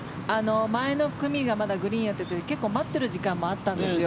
前の組がまだグリーンをやっていて結構待っている時間もあったんですよ。